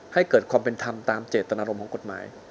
ให้เกิดความเป็นธรรมตามเจตนารมณ์ของกฎหมาย